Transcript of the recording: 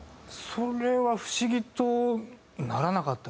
それは不思議とならなかったですね。